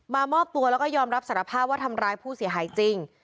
มอบตัวแล้วก็ยอมรับสารภาพว่าทำร้ายผู้เสียหายจริง